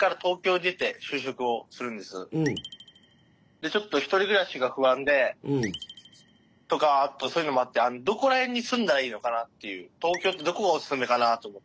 でちょっと一人暮らしが不安でとかあとそういうのもあってどこら辺に住んだらいいのかなっていう東京ってどこがお勧めかなと思って。